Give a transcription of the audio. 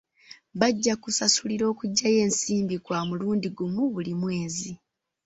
Bajja kusasulira okuggyayo ensimbi kwa mulundi gumu buli mwezi.